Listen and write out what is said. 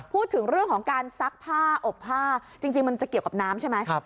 พูดถึงเรื่องของการซักผ้าอบผ้าจริงมันจะเกี่ยวกับน้ำใช่ไหม